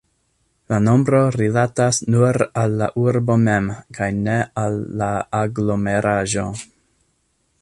La nombro rilatas nur al la urbo mem kaj ne al la aglomeraĵo.